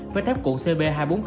với thép cuộn cb hai trăm bốn mươi